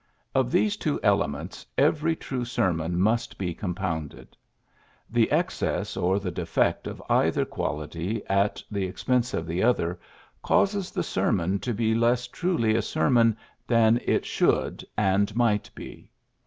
'^ Of these two elements every true sermon must be compounded. The excess or the defect of either quality at the ex pense of the other causes the sermon to be less truly a sermon than it should and might be.